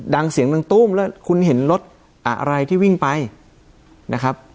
เสียงหนึ่งตู้มแล้วคุณเห็นรถอะไรที่วิ่งไปนะครับ